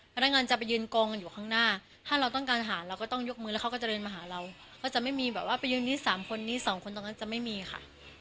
พนักงานจะไปยืนโกงกันอยู่ข้างหน้าถ้าเราต้องการหาเราก็ต้องยกมือแล้วเขาก็จะเดินมาหาเราก็จะไม่มีแบบว่าไปยืนนี้๓คนนี้สองคนตรงนั้นจะไม่มีค่ะ